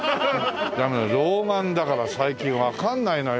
ダメだ老眼だから最近わかんないのよ。